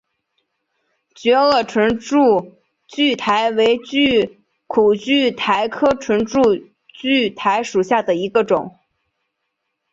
角萼唇柱苣苔为苦苣苔科唇柱苣苔属下的一个种。